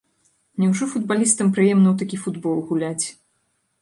Няўжо футбалістам прыемна ў такі футбол гуляць.